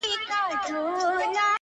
هغه چي ګرځی سوداګر دی په ونه غولیږی!.